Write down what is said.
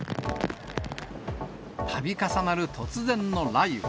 たび重なる突然の雷雨。